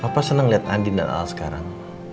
papa senang liat adil dan al sekarang